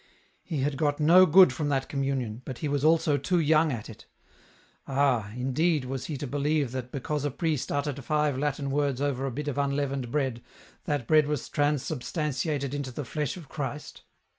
He had got no good from that communion, but he was also too young at it. Ah ! indeed, was he to believe that because a priest uttered five Latin words over a bit of unleavened bread, that bread was transubstantiated into the flesh of Christ